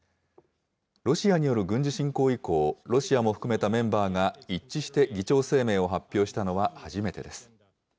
ロシアによる軍事侵攻以降、ロシアも含めたメンバーが一致して議長声明を発表したのは初めてです。